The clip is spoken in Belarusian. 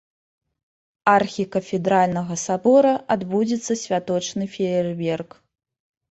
Архікафедральнага сабора адбудзецца святочны феерверк.